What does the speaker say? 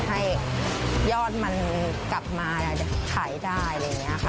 ให้ยอดมันกลับมาขายได้อะไรอย่างนี้ค่ะ